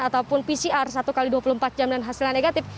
ataupun pcr satu x dua puluh empat jam dan hasilnya negatif